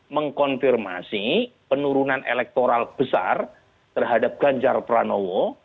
mengkonfirmasi penurunan elektoral besar terhadap ganjar pranowo